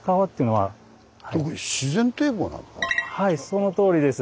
はいそのとおりです。